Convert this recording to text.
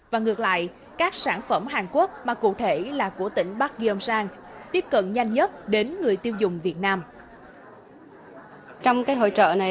và ngược lại các sản phẩm hàn quốc mà cụ thể là của tỉnh bắc giê om san tiếp cận nhanh nhất đến người tiêu dùng việt nam